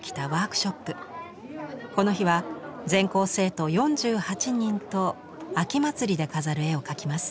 この日は全校生徒４８人と秋祭りで飾る絵を描きます。